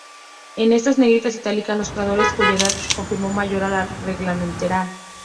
En negritas itálicas, los jugadores cuya edad se confirmó mayor a la reglamentaria.